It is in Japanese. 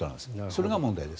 それが問題です。